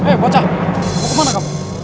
eh bocah mau kemana kamu